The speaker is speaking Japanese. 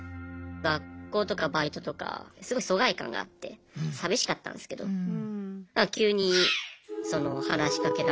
学校とかバイトとかすごい疎外感があって寂しかったんですけどなんか急にその話しかけられた。